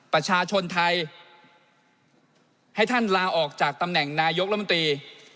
ประชาชนไทยให้ท่านลาออกจากตำแหน่งนายกรัฐมนตรี